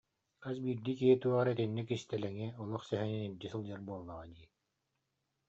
Хас биирдии киһи туох эрэ итинник кистэлэҥи, олох сэһэнин илдьэ сылдьар буоллаҕа дии